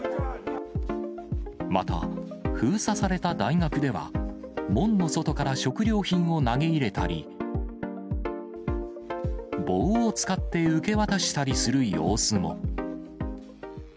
また、封鎖された大学では、門の外から食料品を投げ入れたり、棒を使って受け渡したりする様子も。